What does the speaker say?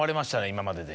今までで。